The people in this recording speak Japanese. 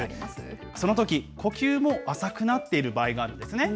そのとき、呼吸も浅くなっている場合があるんですね。